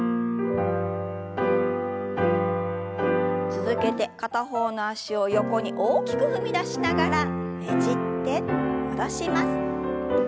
続けて片方の脚を横に大きく踏み出しながらねじって戻します。